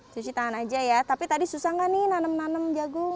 cuci tangan aja ya tapi tadi susah nggak nih nanam nanem jagung